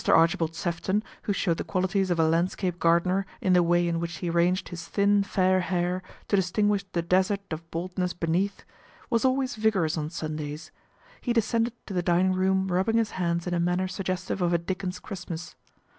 Archibald Sefton, who showed the qualities of a landscape gardener in the way in which he arranged his thin fair hair to disguise the desert of baldness beneath, was always vigorous on Sun days. He descended to the dining room rubbing his hands in a manner suggestive of a Dickens Christmas.